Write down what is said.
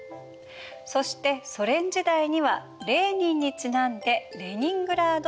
そしてソ連時代にはレーニンにちなんでレニングラードとなります。